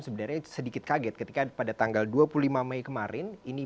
sebenarnya sedikit kaget ketika pada tanggal dua puluh lima mei kemarin